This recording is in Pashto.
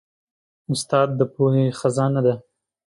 استاد د پوهې خزانه لري.